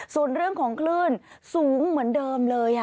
ส่วนเรื่องของคลื่นสูงเหมือนเดิมเลย